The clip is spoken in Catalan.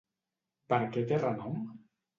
Per què té renom?